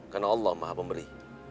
karena allah maha pemberi